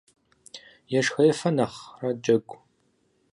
Ешхэ-ефэ нэхърэ джэгу.